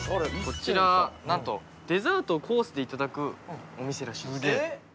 こちらなんとデザートをコースでいただくお店らしいです